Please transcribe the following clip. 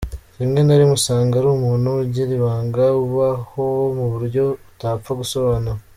Rimwe na rimwe usanga ari umuntu ugira ibanga, ubaho mu buryo utapfa gusobanura.